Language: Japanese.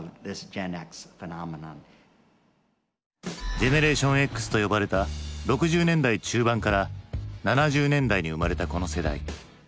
ジェネレーションＸと呼ばれた６０年代中盤から７０年代に生まれたこの世代。